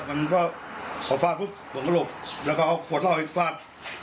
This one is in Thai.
มันก็พอฟาดปุ๊บผมก็หลบแล้วก็เอาขวดเหล้าไปฟาด